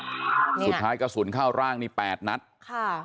นี่ไงสุดท้ายกระสุนเข้าร่างนี้๘นัทค่ะ